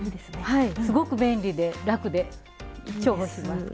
はいすごく便利で楽で重宝します。